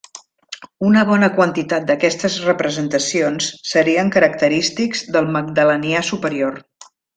Una bona quantitat d'aquestes representacions serien característics del magdalenià superior.